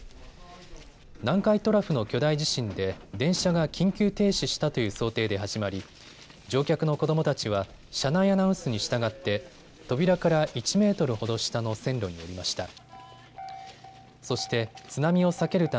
南海トラフの巨大地震で電車が緊急停止したという想定で始まり乗客の子どもたちは車内アナウンスに従って扉から１メートルほど下の線路に降りました。